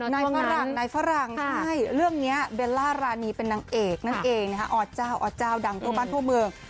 ฝรั่งนายฝรั่งใช่เรื่องนี้เบลล่ารานีเป็นนางเอกนั่นเองนะฮะอเจ้าอเจ้าดังทั่วบ้านทั่วเมือง